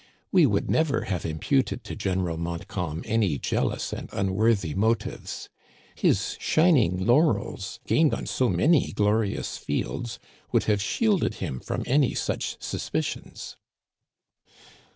We would never have im puted to General Montcalm any jealous and unworthy motives. His shining laurels, gained on so many glori ous fields, would have shielded him from any such sus picions.